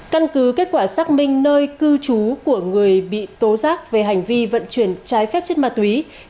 căn cứ kết quả xác minh nơi cư trú của người bị tố giác về hành vi vận chuyển trái phép chất ma túy